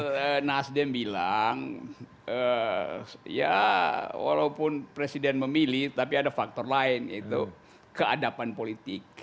kalau nasdem bilang ya walaupun presiden memilih tapi ada faktor lain yaitu keadapan politik